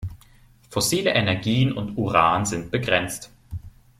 Fossile Energien und Uran sind begrenzt.